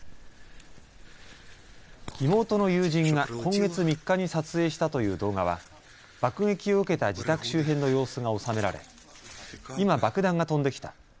妹の友人が今月３日に撮影したという動画は爆撃を受けた自宅周辺の様子が収められ、今、爆弾が飛んできた。